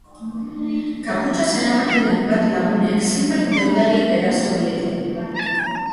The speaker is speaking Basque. Kaputxa zeramaten hainbat lagunek zenbait dendari eraso diete.